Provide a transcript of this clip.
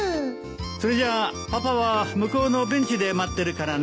それじゃパパは向こうのベンチで待ってるからね。